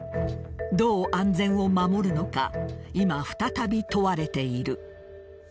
どう安全を守るのか今、再び問われている。